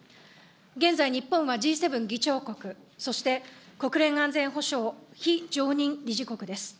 現在日本はＧ７議長国、そして国連安全保障非常任理事国です。